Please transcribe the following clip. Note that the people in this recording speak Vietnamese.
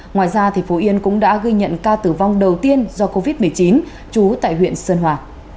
ngoài ra phú yên cũng đã ghi nhận ca tử vong đầu tiên do covid một mươi chín trú tại huyện sơn hòa